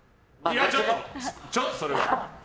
ちょっと、それは。